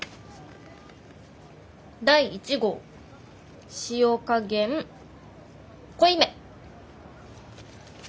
「第１号塩加減濃いめ」。